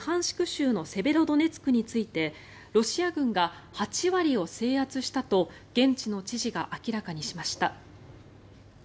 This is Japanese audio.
州のセベロドネツクについてロシア軍が８割を制圧したと現地の知事が明らかにしました。